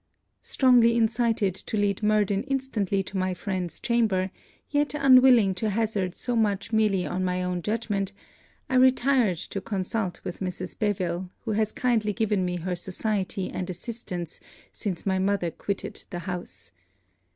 Strongly incited to lead Murden instantly to my friend's chamber, yet unwilling to hazard so much merely on my own judgment, I retired to consult with Mrs. Beville, who has kindly given me her society and assistance since my mother quitted the house.